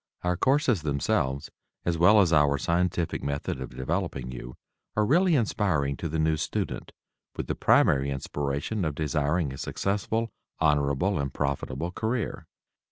Our courses themselves, as well as our scientific method of developing you, are really inspiring to the new student with the primary inspiration of desiring a successful, honorable and profitable career.